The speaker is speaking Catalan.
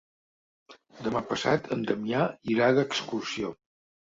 Demà passat en Damià irà d'excursió.